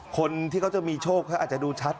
คนที่จะมีโชคอาจจะดูชัด